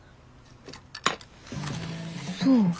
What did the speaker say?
そう。